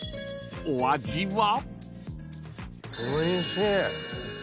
［お味は？］